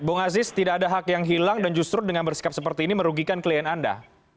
bung aziz tidak ada hak yang hilang dan justru dengan bersikap seperti ini merugikan klien anda